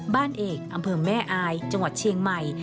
เอกอำเภอแม่อายจังหวัดเชียงใหม่